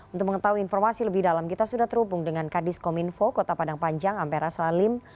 untuk mengetahui informasi lebih dalam kita sudah terhubung dengan kadis kominfo kota padang panjang ampera salim